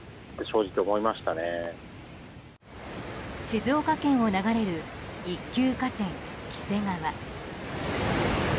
静岡県を流れる一級河川黄瀬川。